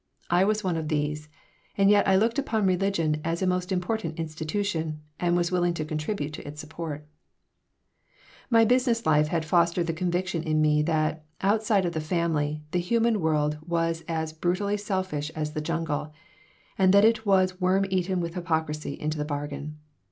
I was one of these, and yet I looked upon religion as a most important institution, and was willing to contribute to its support My business life had fostered the conviction in me that, outside of the family, the human world was as brutally selfish as the jungle, and that it was worm eaten with hypocrisy into the bargain.